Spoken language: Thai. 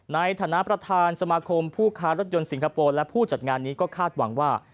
ในฐานะประธานสมาคมผู้ค้ารถยนต์สิงคโปร์และผู้จัดงานนี้ก็คาดหวังว่า